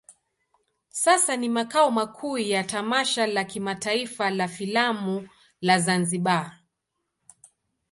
Sasa ni makao makuu ya tamasha la kimataifa la filamu la Zanzibar.